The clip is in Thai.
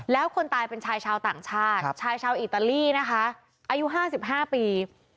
แล้วคนตายเป็นชายชาวต่างชาติชายชาวอิตาลีนะคะอายุ๕๕ปี